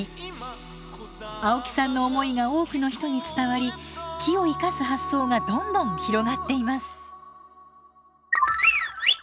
青木さんの思いが多くの人に伝わり木を生かす発想がどんどん広がっています。